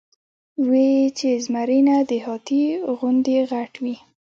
وې ئې چې زمرے نۀ د هاتي غوندې غټ وي ،